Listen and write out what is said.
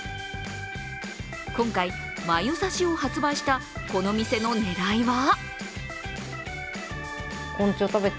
今回、繭刺しを発売したこの店の狙いは？